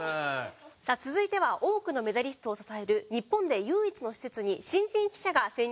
さあ続いては多くのメダリストを支える日本で唯一の施設に新人記者が潜入してきました。